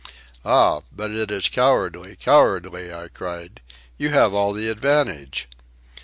"Ah, but it is cowardly, cowardly!" I cried. "You have all the advantage."